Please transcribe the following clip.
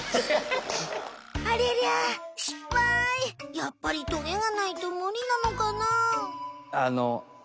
やっぱりトゲがないとむりなのかな？